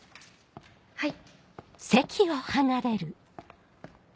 はい。